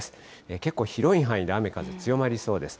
結構広い範囲で雨風強まりそうです。